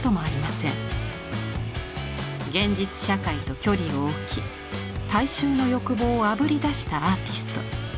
「現実社会と距離を置き大衆の欲望をあぶりだしたアーティスト」